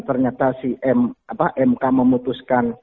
ternyata si mk memutuskan